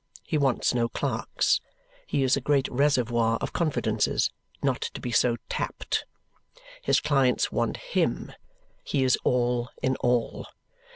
He wants no clerks. He is a great reservoir of confidences, not to be so tapped. His clients want HIM; he is all in all.